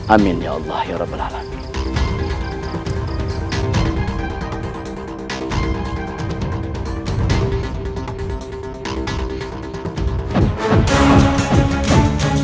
amin ya allah ya rabbal alam